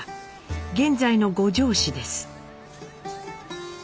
現在の五條市です。